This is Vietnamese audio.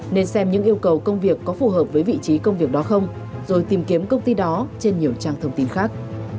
nên xem những yêu cầu công việc có phù hợp với vị trí công việc đó không rồi tìm kiếm công ty đó trên nhiều trang thông tin khác